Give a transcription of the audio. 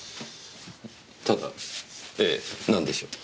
ただええなんでしょう？